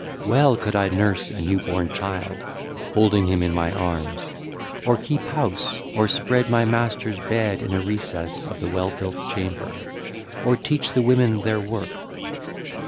Well could I nurse a new born child, holding him in my arms, or keep house, or spread my masters' bed in a recess of the well built chamber, or teach the women their work.